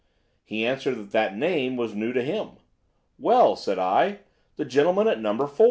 He answered that the name was new to him. "'Well,' said I, 'the gentleman at No. 4.